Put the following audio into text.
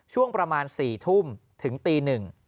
ช่วงประมาณ๔ทุ่มถึงตีหนึ่ง